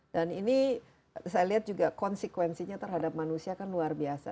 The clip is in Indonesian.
dan ini saya lihat juga konsekuensinya terhadap manusia kan luar biasa